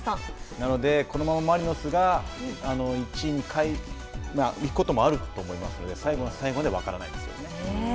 なのでこのままマリノスが１位に行くこともあると思いますので最後の最後まで分からないですよね。